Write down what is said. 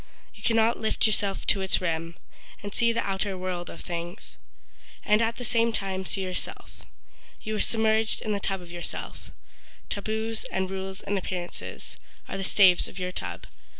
You cannot lift yourself to its rim And see the outer world of things, And at the same time see yourself. You are submerged in the tub of yourself— Taboos and rules and appearances, Are the staves of your tub.